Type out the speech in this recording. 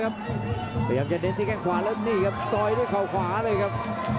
พยายามจะเน้นที่แข้งขวาแล้วนี่ครับซอยด้วยเขาขวาเลยครับ